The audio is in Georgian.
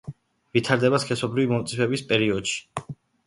ვითარდება სქესობრივი მომწიფების პერიოდში.